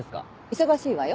忙しいわよ。